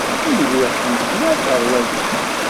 Nwiɣ tenneknaḍ ɣer waya.